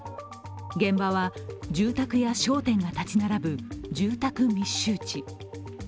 現場は、住宅や商店が立ち並ぶ住宅密集地。